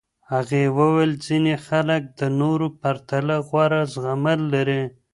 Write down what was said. هغې وویل ځینې خلک د نورو پرتله غوره زغمل لري.